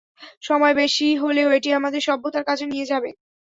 সময় বেশি হলেও, এটি আমাদের সভ্যতার কাছে নিয়ে যাবে।